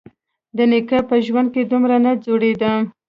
د نيکه په ژوند دومره نه ځورېدم.